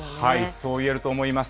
そういえると思います。